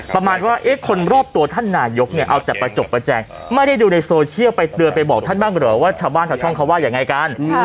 ประมาณว่าเอ๊ะคนรอบตัวท่านนายกเนี่ยเอาแต่ประจบประแจงไม่ได้ดูในโซเชียลไปเตือนไปบอกท่านบ้างเหรอว่าชาวบ้านชาวช่องเขาว่ายังไงกัน